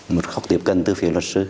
một góc tiếp cận từ phía luật sư